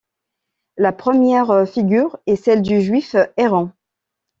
La première figure est celle du Juif errant.